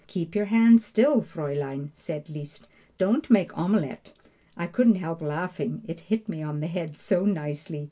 "Keep your hand still, Fraulein," said Liszt; "don't make omelet." I couldn't help laughing it hit me on the head so nicely.